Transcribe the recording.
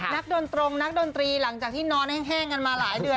โดนตรงนักดนตรีหลังจากที่นอนแห้งกันมาหลายเดือน